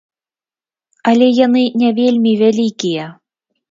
Але яны не вельмі вялікія.